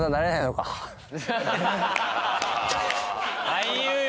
俳優よ